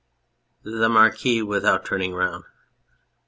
THE MARQUIS (without turning round).